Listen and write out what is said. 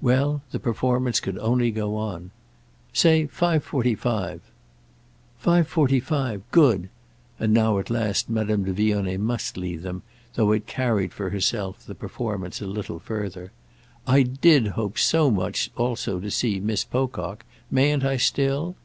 Well, the performance could only go on. "Say five forty five." "Five forty five—good." And now at last Madame de Vionnet must leave them, though it carried, for herself, the performance a little further. "I did hope so much also to see Miss Pocock. Mayn't I still?"